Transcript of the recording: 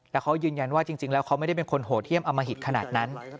แล้วเขายืนยันว่าจริงแล้วเขาไม่ได้เป็นคนโหดเยี่ยมอมหิตขนาดนั้น